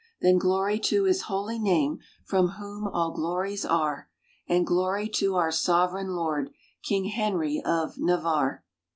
Then glory to His holy name, from whom all glories are; And glory to our Sovereign Lord, King Henry of Navarre!